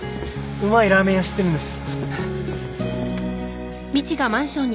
うまいラーメン屋知ってるんです。